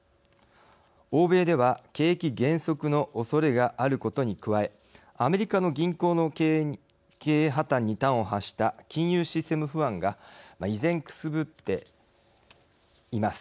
欧米では、景気減速のおそれがあることに加えアメリカの銀行の経営破綻に端を発した、金融システム不安が依然、くすぶっています。